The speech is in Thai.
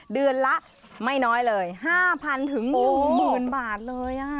เดือนละไม่น้อยเลย๕๐๐๑๐๐บาทเลย